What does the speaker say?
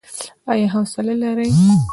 ایا حوصله لرئ؟